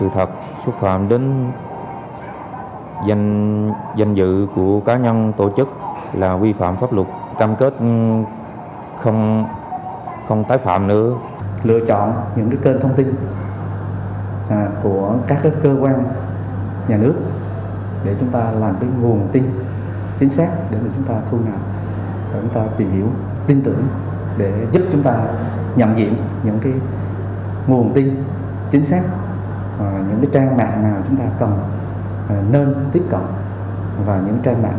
tạo dư luận xấu